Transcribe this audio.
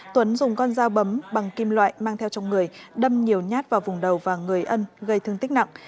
tuấn dùng con dao bấm bằng kim loại mang theo trong người đâm nhiều nhát vào vùng đầu và người ân gây thương tích nặng